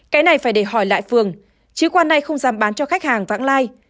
cái này phải để hỏi lại phường chứ quán này không dám bán cho khách hàng vãng lai